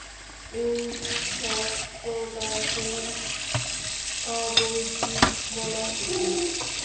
এই দুই সম্প্রদায়কে অবৈদিক বলা হইত।